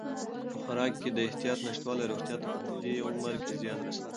په خوراک کې د احتیاط نشتوالی روغتیا ته په دې عمر کې زیان رسوي.